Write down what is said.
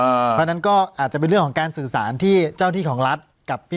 เพราะฉะนั้นก็อาจจะเป็นเรื่องของการสื่อสารที่เจ้าที่ของรัฐกับพี่